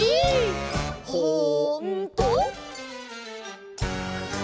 「ほんとー？」